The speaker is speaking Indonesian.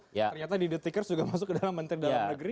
ternyata di the tickers juga masuk ke dalam menteri dalam negeri